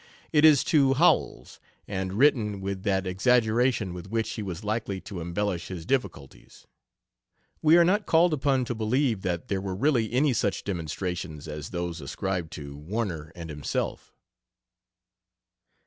It is to Howells, and written with that exaggeration with which he was likely to embellish his difficulties. We are not called upon to believe that there were really any such demonstrations as those ascribed to Warner and himself.